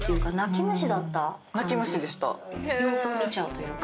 様子を見ちゃうというか。